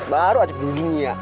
baru ajak di dunia